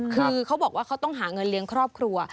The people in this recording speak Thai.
คือเขาบอกว่าเขาต้องหาเงินเลี้ยงครอบครัว